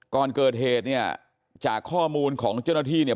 ก่อนเกิดเหตุเนี่ยจากข้อมูลของเจ้าหน้าที่เนี่ย